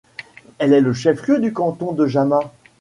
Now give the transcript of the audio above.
Elle est le chef-lieu du canton de Jama.